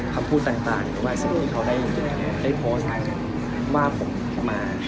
กำพูดต่างว่าสิ่งที่เขาได้พอสต์ว่าผมมา